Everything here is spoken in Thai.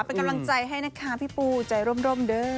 เป็นกำลังใจให้นะคะพี่ปูใจร่มเด้อ